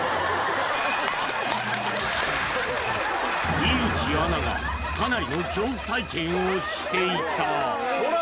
井口アナがかなりの恐怖体験をしていた！